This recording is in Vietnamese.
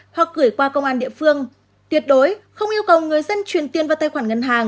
hoặc gửi qua công an địa phương tuyệt đối không yêu cầu người dân truyền tiền vào tài khoản ngân hàng